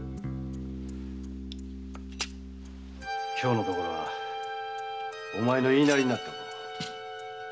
今日のところはお前の言うなりになっておこう。